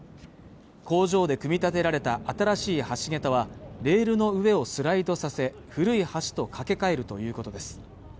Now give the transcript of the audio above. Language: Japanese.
工場で組み立てられた新しい橋桁はレールの上をスライドさせ古い橋と架け替えるということです